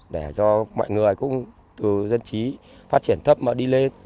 để cho mọi người cũng từ dân trí phát triển thấp mà đi lên